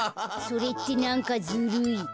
それってなんかずるい。